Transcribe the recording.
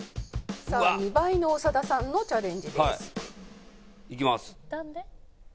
さあ２倍の長田さんのチャレンジです。いきます。